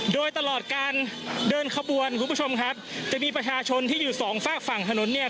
โดยตลอดการเดินขบวนคุณผู้ชมครับจะมีประชาชนที่อยู่สองฝากฝั่งถนนเนี่ย